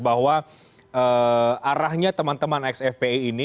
bahwa arahnya teman teman ex fpi ini